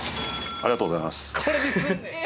ありがとうございます。